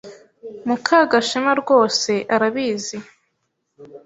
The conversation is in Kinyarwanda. Mukagashema rwose arabizi.